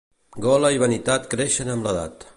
Gola i vanitat creixen amb l'edat.